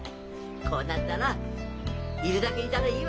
こうなったらいるだけいたらいいわ。